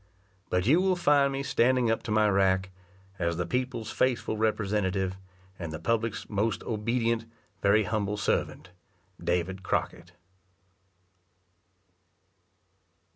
But you will find me standing up to my rack, as the people's faithful representative, and the public's most obedient, very humble servant, DAVID CROCKETT.